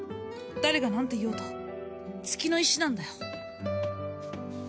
誰が何て言おうと月の石なんだよ